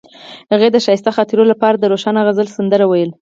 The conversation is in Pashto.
هغې د ښایسته خاطرو لپاره د روښانه غزل سندره ویله.